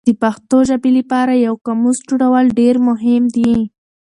د پښتو ژبې لپاره یو قاموس جوړول ډېر مهم دي.